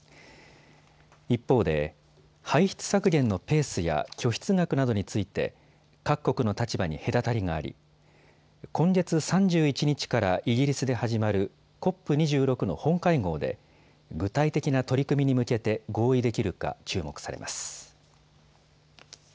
一方で排出削減のペースや拠出額などについて各国の立場に隔たりがあり、今月３１日からイギリスで始まるＣＯＰ２６の本会合で具体的な取り組みに向けて合意できるか注目されます。